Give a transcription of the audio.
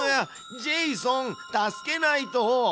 ジェイソン助けないと！